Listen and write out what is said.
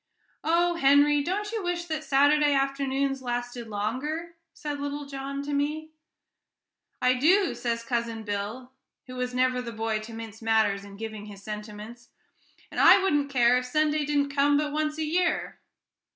"Oh, Henry, don't you wish that Saturday afternoons lasted longer?" said little John to me. "I do," says Cousin Bill, who was never the boy to mince matters in giving his sentiments; "and I wouldn't care if Sunday didn't come but once a year."